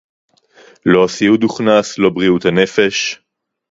לא הסיעוד הוכנס, לא בריאות הנפש